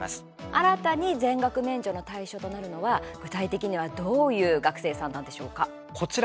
新たに全額免除の対象となるのは具体的にはどういう学生さんなんでしょうか。